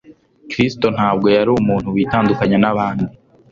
Kristo ntabwo yari umuntu witandukanya n'abandi,